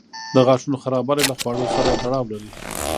د غاښونو خرابوالی له خواړو سره تړاو لري.